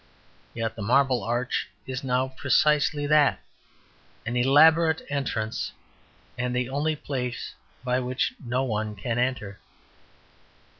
Yet the Marble Arch is now precisely that; an elaborate entrance and the only place by which no one can enter.